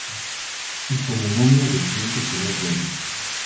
Y como momia de piel de color verde.